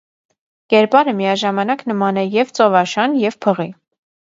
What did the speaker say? Կերպարը միաժամանակ նման է և՛ ծովաշան, և՛ փղի։